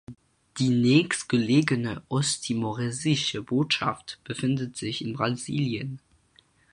Die nächstgelegene osttimoresische Botschaft befindet sich in Brasilien.